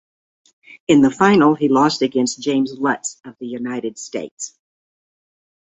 In the final he lost against James Lutz of the United States.